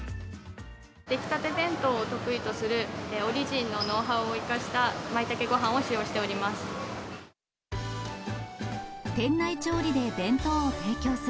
出来たて弁当を得意とする、オリジンのノウハウを生かした、舞茸ごはんを使用しております。